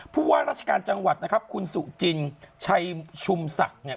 ผู้ว่าราชการจังหวัดนะครับคุณสุจินชัยชุมศักดิ์เนี่ย